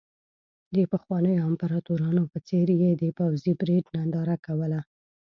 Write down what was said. د پخوانیو امپراتورانو په څېر یې د پوځي پرېډ ننداره کوله.